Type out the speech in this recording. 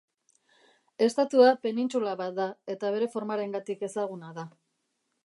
Estatua penintsula bat da eta bere formarengatik ezaguna da.